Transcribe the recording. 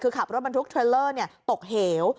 คือขับรถบรรทุกเทรลเลอร์ตกเหว